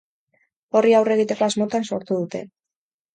Horri aurre egiteko asmotan sortu dute.